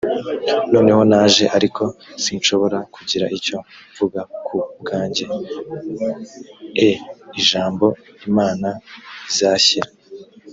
noneho naje ariko sinshobora kugira icyo mvuga ku bwanjye e ijambo imana izashyira